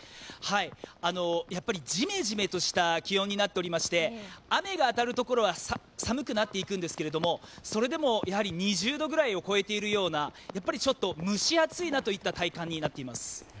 ジメジメとした気温になっていまして雨が当たるところは寒くなっていくんですけれども、それでも２０度ぐらいを超えているような、ちょっと蒸し暑いなといった体感になっています。